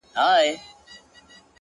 ځوان د پوره سلو سلگيو څه راوروسته-